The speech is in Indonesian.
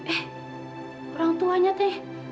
eh orang tuanya teh nggak ngeboleh